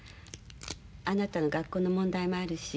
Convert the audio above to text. あなたの学校の問題もあるし。